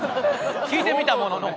聞いてみたものの。